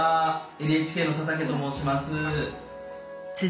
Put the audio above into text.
ＮＨＫの佐竹と申します。